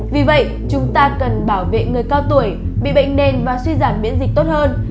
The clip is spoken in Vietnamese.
vì vậy chúng ta cần bảo vệ người cao tuổi bị bệnh nền và suy giảm miễn dịch tốt hơn